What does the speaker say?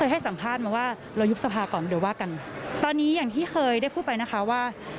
ถ้าภาคเพื่อไทยพร้อมที่สุดแล้ว